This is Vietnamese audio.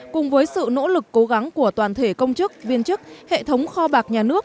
cùng với sự nỗ lực cố gắng của toàn thể công chức viên chức hệ thống kho bạc nhà nước